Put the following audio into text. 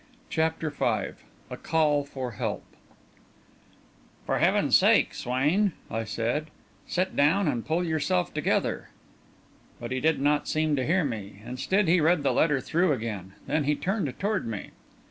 CHAPTER V A CALL FOR HELP "For heaven's sake, Swain," I said, "sit down and pull yourself together." But he did not seem to hear me. Instead he read the letter through again, then he turned toward me.